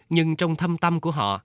nhưng trong thâm tâm của họ